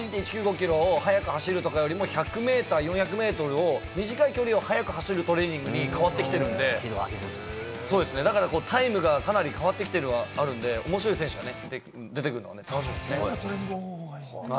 キロを速く走るというよりも、１００メーター、４００メーター、短い距離を速く走るトレーニングに変わってきているので、だからタイムがかなり変わってきているのはあるので、面白い選手が出てくるのが楽しみですね。